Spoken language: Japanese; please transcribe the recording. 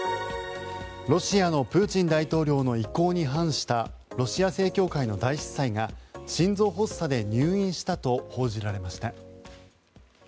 ロシアのプーチン大統領の意向に反したロシア正教会の大司祭が心臓発作で入院したと報じられました。